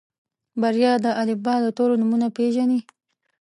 بريا د الفبا د تورو نومونه پېژني.